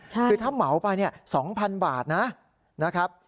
คือถ้าเหมาไป๒๐๐๐บาทนะครับ